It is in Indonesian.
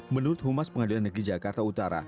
menurut humas pengadilan negeri jakarta utara